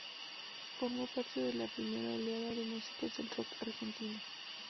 Formó parte de la primera oleada de músicos del rock argentino.